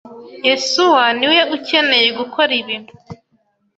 Yesuwa niwe ukeneye gukora ibi.